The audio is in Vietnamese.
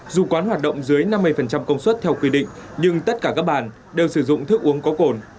dù quán hoạt động dưới năm mươi công suất theo quy định nhưng tất cả các bạn đều sử dụng thức uống có cồn